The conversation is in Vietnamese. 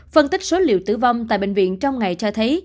phân tích số liệu tử vong tại bệnh viện trong ngày cho thấy